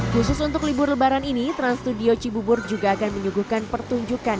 khusus untuk libur lebaran ini trans studio cibubur juga akan menyuguhkan pertunjukan